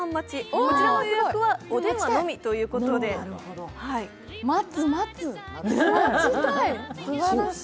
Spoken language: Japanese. こちらの予約はお電話のみということです。